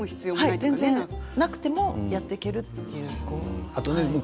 なくてもやっていけるという。